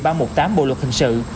ba trăm một mươi tám bộ luật hình sự